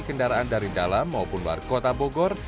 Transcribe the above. dan kendaraan dari dalam maupun luar kota bogor